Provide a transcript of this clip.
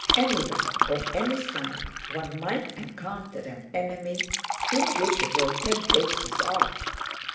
Anywhere, on any side, one might encounter an enemy invisible ten paces off.